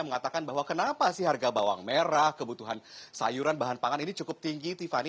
mengatakan bahwa kenapa sih harga bawang merah kebutuhan sayuran bahan pangan ini cukup tinggi tiffany